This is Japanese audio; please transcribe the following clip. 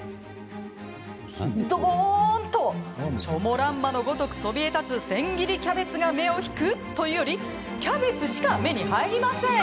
どーんと、チョモランマのごとくそびえ立つ千切りキャベツが目を引くというよりキャベツしか目に入りません！